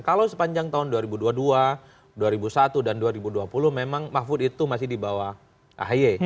kalau sepanjang tahun dua ribu dua puluh dua dua ribu satu dan dua ribu dua puluh memang mahfud itu masih di bawah ahy